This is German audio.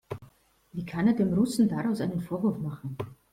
Wie kann er dem Russen daraus einem Vorwurf machen?